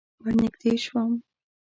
ور نږدې شوم.